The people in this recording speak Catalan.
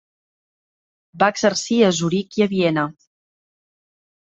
Va exercir a Zuric i a Viena.